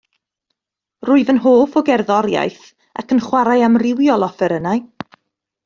Rwyf yn hoff o gerddoriaeth ac yn chwarae amrywiol offerynnau.